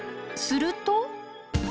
すると。